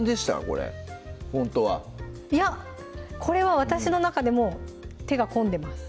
これほんとはいやこれは私の中でも手が込んでます